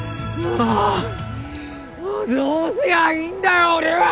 もうどうすりゃいいんだよ俺は！